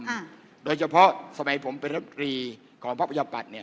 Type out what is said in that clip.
อ่าโดยเฉพาะสมัยผมเป็นรับกรีของพระพัทยาปัตย์เนี่ย